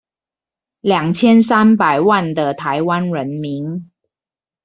兩千三百萬的臺灣人民